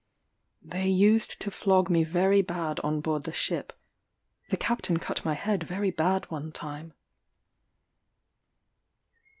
They used to flog me very bad on board the ship: the captain cut my head very bad one time.